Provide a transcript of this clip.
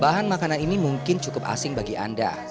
bahan makanan ini mungkin cukup asing bagi anda